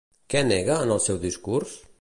Què nega en el seu discurs?